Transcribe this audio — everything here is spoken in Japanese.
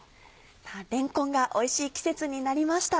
れんこんがおいしい季節になりました。